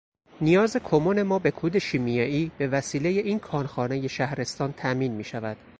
نیاز کمون ما به کود شیمیائی بوسیلهٔ این کارخانهٔ شهرستان تأمین میشود.